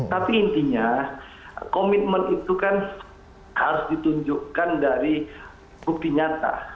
tapi intinya komitmen itu kan harus ditunjukkan dari bukti nyata